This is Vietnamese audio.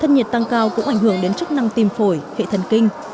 nhiệt tăng cao cũng ảnh hưởng đến chức năng tìm phổi hệ thần kinh